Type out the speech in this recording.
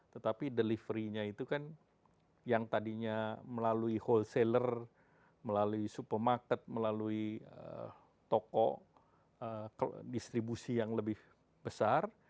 tetapi delivery nya itu kan yang tadinya melalui wholeseller melalui supermarket melalui toko distribusi yang lebih besar